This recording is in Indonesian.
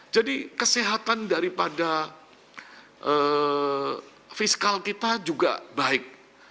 jadi kesehatan daripada fiskal kita juga baik